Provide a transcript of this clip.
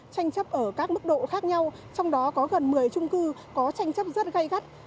tranh chấp ở các mức độ khác nhau trong đó có gần một mươi trung cư có tranh chấp rất gây gắt